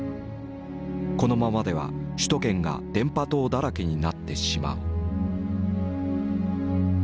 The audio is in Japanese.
このままでは首都圏が電波塔だらけになってしまう。